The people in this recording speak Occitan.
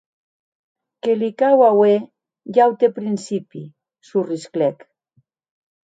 Que li cau auer un aute principi!, sorrisclèc.